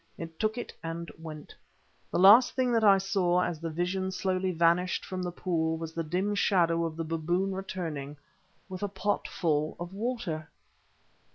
It took it and went. The last thing that I saw, as the vision slowly vanished from the pool, was the dim shadow of the baboon returning with the pot full of water.